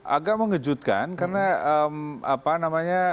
agak mengejutkan karena